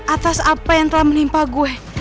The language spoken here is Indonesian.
atas apa yang telah menimpa gue